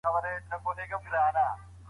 ټول نيول شوي کسان د جورجيا اوسېدونکي دي.